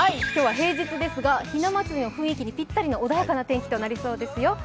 今日は平日ですが、ひな祭りの雰囲気にぴったりの穏やかな日になりそうですよ。